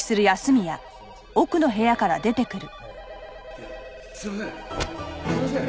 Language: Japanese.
いやすいません。